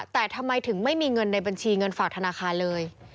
แต่ทำไมถึงไม่มีเงินในบัญชีเงินฝากธนาคารเลย